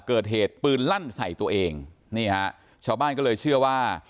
เกิดเหตุปืนลั่นใส่ตัวเองนี่ฮะชาวบ้านก็เลยเชื่อว่า